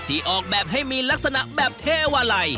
ออกแบบให้มีลักษณะแบบเทวาลัย